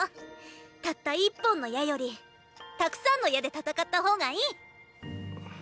たった一本の矢より沢山の矢で戦った方がいい。